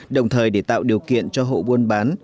đồng thời để tạo điều kiện cho hộ buôn bán